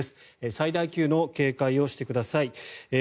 最大級の警戒をしてください。